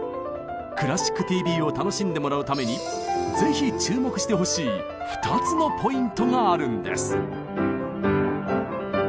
「クラシックＴＶ」を楽しんでもらうためにぜひ注目してほしい２つのポイントがあるんです。